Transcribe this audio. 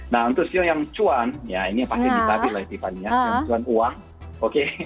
nah untuk skill yang cuan ya ini pasti ditabih lah istifanya yang cuan uang oke